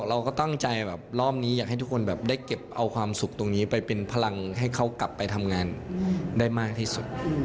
เราก็ตั้งใจแบบรอบนี้อยากให้ทุกคนแบบได้เก็บเอาความสุขตรงนี้ไปเป็นพลังให้เขากลับไปทำงานได้มากที่สุด